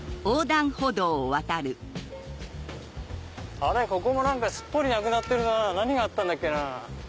はいここもすっぽりなくなってるな何があったんだっけな。